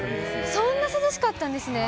そんな涼しかったんですね。